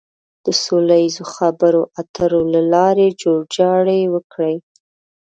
د سوله ييزو خبرو اترو له لارې جوړجاړی وکړي.